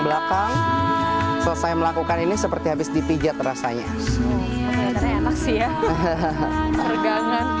belakang selesai melakukan ini seperti habis dipijat rasanya enak sih ya regangan